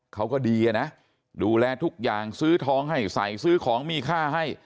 เขาก็ดีอะนะดูแลทุกอย่างซื้อทองให้ใส่ซื้อของมีค่าให้